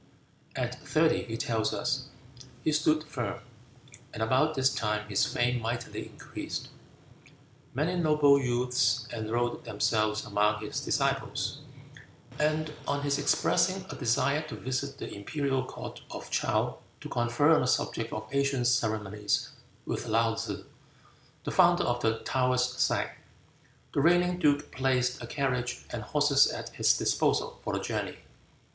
At thirty he tells us "he stood firm," and about this time his fame mightily increased, many noble youths enrolled themselves among his disciples; and on his expressing a desire to visit the imperial court of Chow to confer on the subject of ancient ceremonies with Laou Tan, the founder of the Taouist sect, the reigning duke placed a carriage and horses at his disposal for the journey.